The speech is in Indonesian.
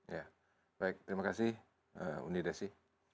ya baik terima kasih buya nidesi